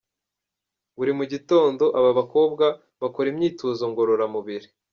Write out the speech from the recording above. Buri mu gitondo aba bakobwa bakora imyitozo ngororamubiri.